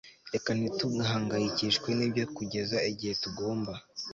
Reka ntitugahangayikishwe nibyo kugeza igihe tugomba